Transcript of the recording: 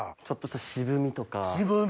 ちょっとした渋みとか。